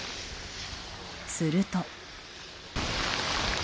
すると。